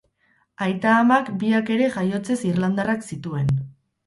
Aita-amak biak ere jaiotzez irlandarrak zituen.